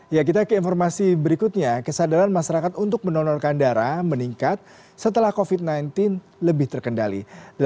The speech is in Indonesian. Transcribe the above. ya kita ke informasi berikutnya kesadaran masyarakat untuk menonorkan darah meningkat setelah covid sembilan belas lebih terkendali